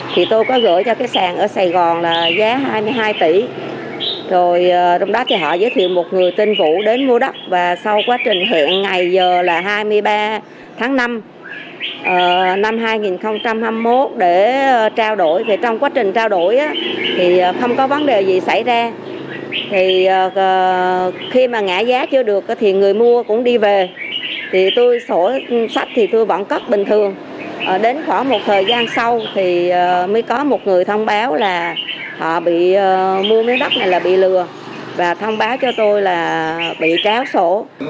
thì tôi sổ sách thì tôi vẫn cất bình thường đến khoảng một thời gian sau thì mới có một người thông báo là họ bị mua miếng đất này là bị lừa và thông báo cho tôi là bị tráo sổ